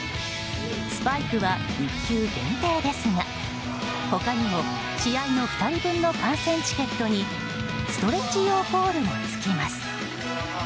スパイクは１球限定ですが他にも試合の２人分の観戦チケットにストレッチ用ポールも付きます。